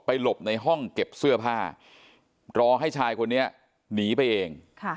หลบในห้องเก็บเสื้อผ้ารอให้ชายคนนี้หนีไปเอง